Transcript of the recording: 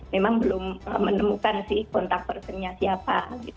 memang belum menemukan sih kontak personnya siapa